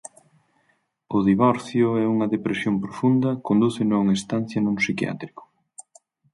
O divorcio e unha depresión profunda condúceno a unha estancia nun psiquiátrico.